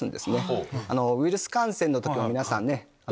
ウイルス感染の時も皆さんね。